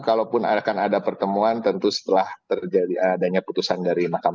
akan ada pertemuan tentu setelah terjadi adanya keputusan dari mk